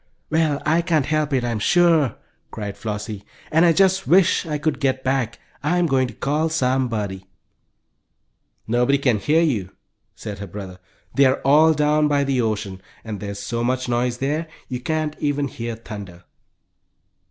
"Well, I can't help it, I'm sure," cried Flossie. "And I just wish I could get back. I'm going to call somebody." "Nobody can hear you," said her brother. "They are all down by the ocean, and there's so much noise there you can't even hear thunder."